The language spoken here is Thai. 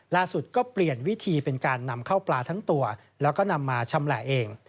ก็เปลี่ยนวิธีเป็นการนำเข้าปลาทั้งตัวแล้วก็นำมาชำแหละเอง